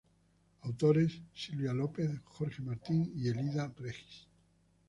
Autores: Silvana López, Jorge Martín, Elida Regis.